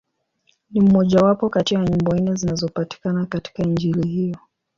Ni mmojawapo kati ya nyimbo nne zinazopatikana katika Injili hiyo.